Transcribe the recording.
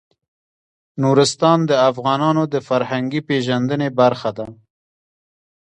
نورستان د افغانانو د فرهنګي پیژندنې برخه ده.